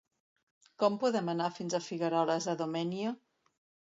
Com podem anar fins a Figueroles de Domenyo?